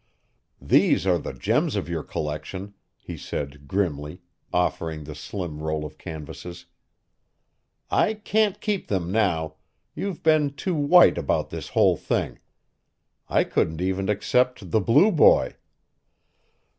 "These are the gems of your collection," he said grimly, offering the slim roll of canvases. "I can't keep them now you've been too white about this whole thing. I couldn't even accept 'The Blue Boy.'"